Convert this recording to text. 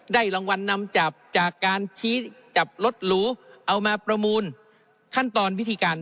รางวัลนำจับจากการชี้จับรถหรูเอามาประมูลขั้นตอนวิธีการ